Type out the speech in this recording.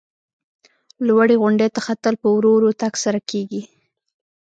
لوړې غونډۍ ته ختل په ورو ورو تګ سره کېږي.